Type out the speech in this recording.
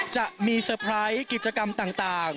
จะมีเซอร์ไพรส์กิจกรรมต่าง